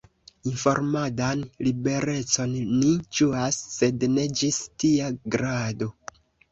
Informadan liberecon ni ĝuas, sed ne ĝis tia grado.